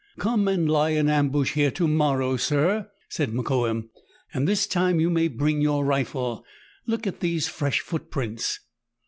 " Come and lie in ambush here to morrow, sir," said Mokoum, " and this time you may bring your rifle. Look at these fresh footprints."